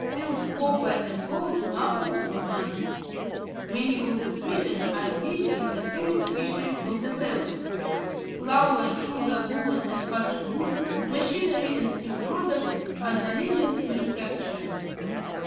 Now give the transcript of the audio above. Zinc, copper, and gold are also mined. Many of the Swedes are engaged in the herring fisheries of the Baltic. Flour, sugar, woollen and cotton goods, machinery, and steel products are the leading manufactures.